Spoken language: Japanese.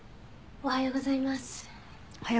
おはようございます。